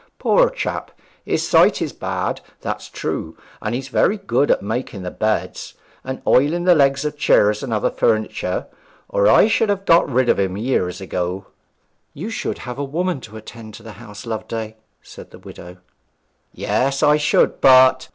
Poor chap! his sight is bad, that's true, and he's very good at making the beds, and oiling the legs of the chairs and other furniture, or I should have got rid of him years ago.' 'You should have a woman to attend to the house, Loveday,' said the widow. 'Yes, I should, but